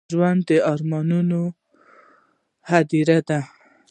ژوند د ارمانونو هديره ده.